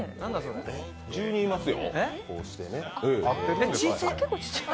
１０人いますよ。